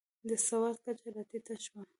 د سواد کچه راټیټه شوه.